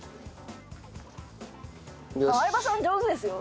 相葉さん上手ですよ。